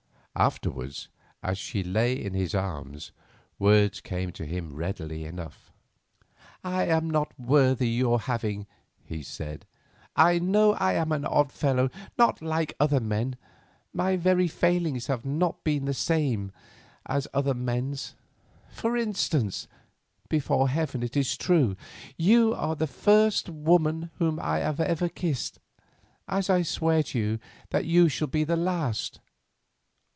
Afterwards, as she lay in his arms, words came to him readily enough: "I am not worth your having," he said. "I know I am an odd fellow, not like other men; my very failings have not been the same as other men's. For instance—before heaven it is true—you are the first woman whom I ever kissed, as I swear to you that you shall be the last.